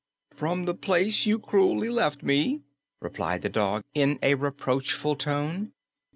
"From the place you cruelly left me," replied the dog in a reproachful tone.